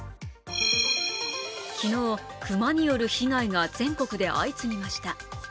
昨日、熊による被害が全国で相次ぎました。